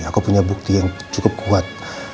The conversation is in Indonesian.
aku punya bukti yang cukup kuat